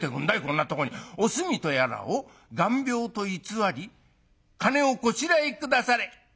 『おすみとやらを眼病と偽り金をこしらえ下され』。